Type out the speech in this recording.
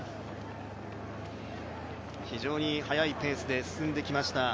非常に速いペースで進んできました。